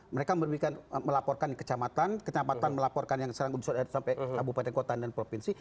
mereka melaporkan kecamatan kecamatan melaporkan yang sekarang disuruh ada sampai bupati kota dan provinsi